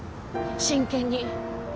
真剣に。